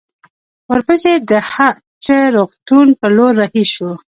ورپسې د هه چه روغتون پر لور رهي شوو.